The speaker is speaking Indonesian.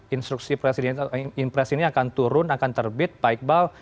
instruksi presidennya akan turun akan terbit pak iqbal